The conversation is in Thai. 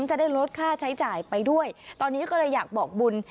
จะได้ลดค่าใช้จ่ายไปด้วยตอนนี้ก็เลยอยากบอกบุญ